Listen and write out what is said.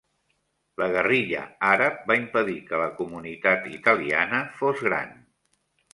La guerrilla àrab va impedir que la comunitat italiana fos gran.